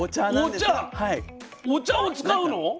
お茶を使うの？